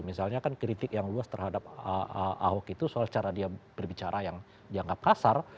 misalnya kan kritik yang luas terhadap ahok itu soal cara dia berbicara yang dianggap kasar